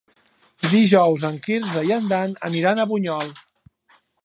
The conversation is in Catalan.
Dijous en Quirze i en Dan aniran a Bunyol.